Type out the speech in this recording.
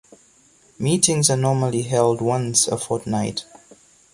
Meetings are normally held once a fortnight.